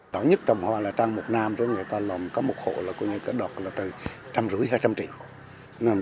đó nhất trong hoa là trang mục nam cho nên người ta làm có một hộ là có những cái đọc là từ trăm rưỡi hay trăm triệu